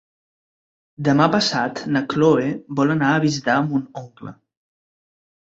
Demà passat na Chloé vol anar a visitar mon oncle.